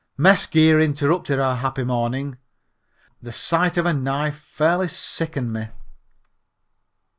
Mess gear interrupted our happy morning. The sight of a knife fairly sickened me.